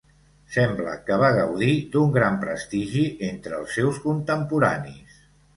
Sembla que va gaudir d'un gran prestigi entre els seus contemporanis.